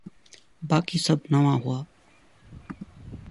باقي سڀ نوان هئا.